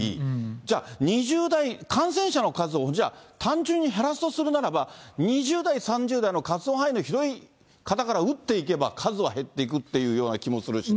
じゃあ、２０代、感染者の数を、じゃあ単純に減らすとするならば、２０代、３０代の活動範囲の広い方から打っていけば、数は減っていくっていうような気もするしね。